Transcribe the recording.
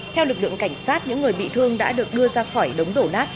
theo lực lượng cảnh sát những người bị thương đã được đưa ra khỏi đống đổ nát